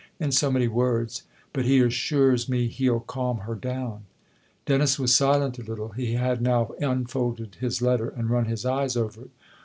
" In so many words. But he assures me he'll calm her down." Dennis was silent a little : he had now unfolded his letter and run his eyes over it.